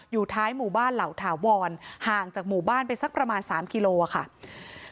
อยู่ท้ายหมู่บ้านเหล่าถาวรห่างจากหมู่บ้านไปสักประมาณ๓กิโลค่ะ